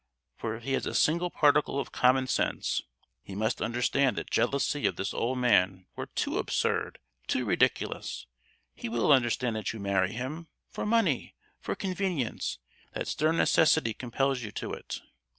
For if he has a single particle of commonsense, he must understand that jealousy of this old man were too absurd—too ridiculous! He will understand that you marry him—for money, for convenience; that stern necessity compels you to it!